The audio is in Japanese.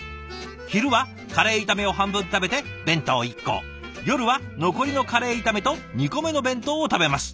昼はカレー炒めを半分食べて弁当１個夜は残りのカレー炒めと２個目の弁当を食べます。